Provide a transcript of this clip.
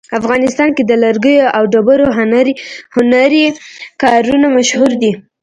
افغانستان کې د لرګیو او ډبرو هنري کارونه مشهور دي